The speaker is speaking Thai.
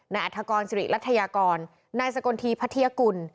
นายอัธกรจิริรัฐยากรนายสกลทีพระเทียกุล